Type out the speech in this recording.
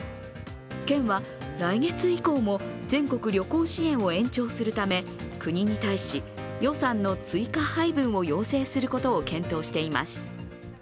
県は来月以降も全国旅行支援を延長するため国に対し、予算の追加配分を要請することを検討しています。